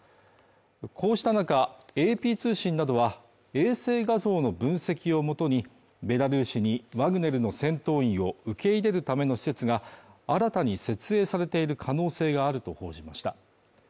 こうした中、ＡＰ通信などは、衛星画像の分析をもとに、ベラルーシにワグネルの戦闘員を受け入れるための施設が、新たに設営されている可能性があると報じました。